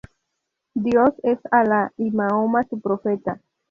Dios es Alá y Mahoma su profeta.